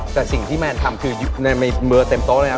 แต่สิ่งที่แมนทำคือในเบอร์เต็มโต๊ะเลยครับ